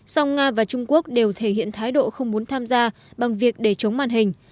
song nga và trung quốc đều thể hiện thái độ không muốn tham gia bằng việc để chống màn hình